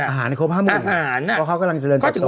อาหารให้ครบ๕หมวดเพราะเขากำลังเจริญจากโตนะครับ